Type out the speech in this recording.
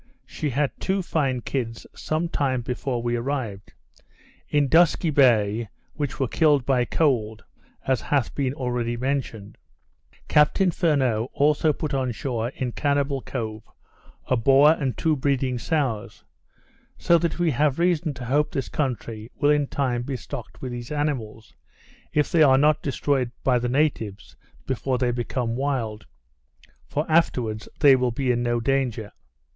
She had two fine kids, some time before we arrived in Dusky Bay, which were killed by cold, as hath been already mentioned. Captain Furneaux also put on shore, in Cannibal Cove, a boar and two breeding sows; so that we have reason to hope this country will in time be stocked with these animals, if they are not destroyed by the natives before they become wild; for, afterwards, they will be in no danger.